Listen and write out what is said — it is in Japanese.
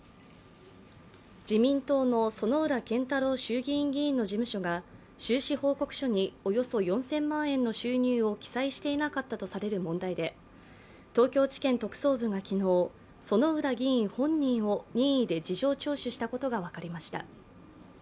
自民党の薗浦健太郎衆議院議員の事務所が収支報告書におよそ４０００万円の収入を記載していなかったとされる問題で、東京地検特捜部が昨日、薗浦議員本人を任意で事情聴取したことが分かりました。